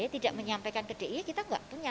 tidak menyampaikan ke d i y kita nggak punya